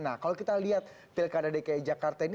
nah kalau kita lihat pilkada dki jakarta ini